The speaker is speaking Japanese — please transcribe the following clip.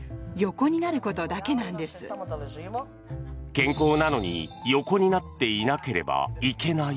健康なのに横になっていなければいけない？